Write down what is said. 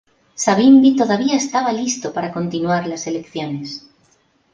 Savimbi todavía estaba listo para continuar las elecciones.